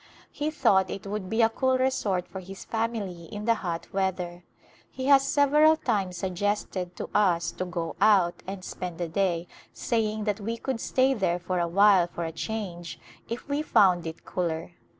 He thought it would be a cool resort for his family in the hot weather. He has several times suggested to us to go out and spend the day saying that we could stay there a while for a change if we found it cooler.